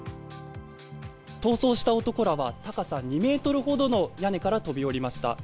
逃走した男らは高さ２ｍほどの屋根から飛び降りました。